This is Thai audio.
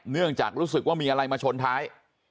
เนื่องจากรู้สึกว่ามีอะไรมาชนท้าย